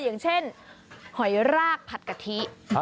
อย่างเช่นหอยรากผัดกะทิ